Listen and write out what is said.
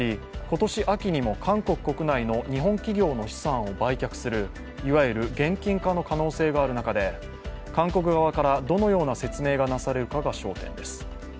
今年秋にも韓国国内の日本企業の資産を売却するいわゆる現金化の可能性がある中で、韓国側からどのような説明がなされるかが焦点です。